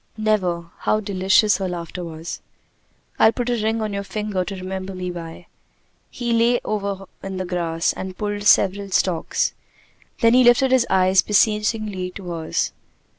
"Never!" How delicious her laughter was. "I'll put a ring on your finger to remember me by." He lay over in the grass and pulled several stalks. Then he lifted his eyes beseechingly to hers.